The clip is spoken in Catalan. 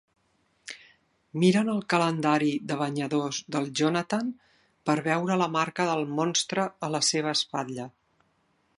Miren el calendari de banyadors del Jonathan per veure la marca del monstre a la seva espatlla.